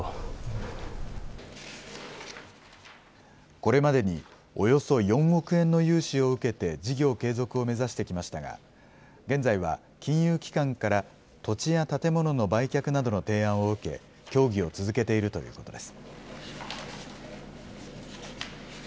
これまでにおよそ４億円の融資を受けて、事業継続を目指してきましたが、現在は金融機関から、土地や建物の売却などの提案を受け、協議を続けているということです。